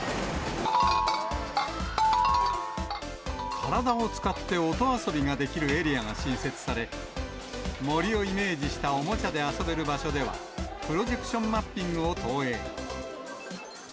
体を使って音遊びができるエリアが新設され、森をイメージしたおもちゃで遊べる場所では、プロジェクションマッピングを投影。